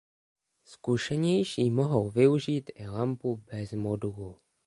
Zkušenější mohou využít i lampu bez modulu.